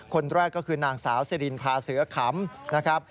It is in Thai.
คนแรกก็คือนางสาวเซรินพาเสือขำ